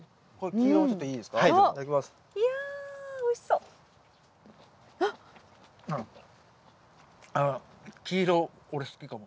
黄色俺好きかも。